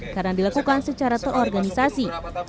karena dilakukan secara terorganisasi